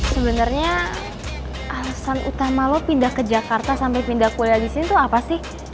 sebenernya alasan utama lo pindah ke jakarta sampe pindah kuliah disini tuh apa sih